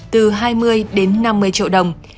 từ hai mươi đến năm mươi triệu đồng